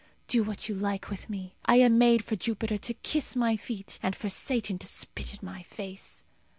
Do what you like with me. I am made for Jupiter to kiss my feet, and for Satan to spit in my face.